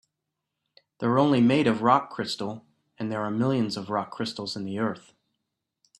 They're only made of rock crystal, and there are millions of rock crystals in the earth.